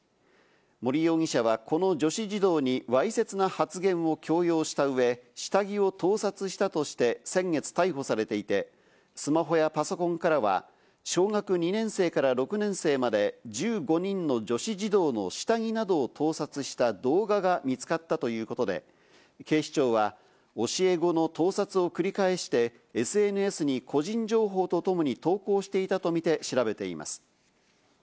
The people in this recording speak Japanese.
森容疑者はこの女子児童にわいせつな発言を強要した上、下着を盗撮したとして先月逮捕されていて、スマホやパソコンからは小学２年生から６年生まで、１５人の女子児童の下着などを盗撮した動画が見つかったということで、警視庁は教え子の盗撮を繰り返して、ＳＮＳに個人情報とともに投稿していたとみて調べています。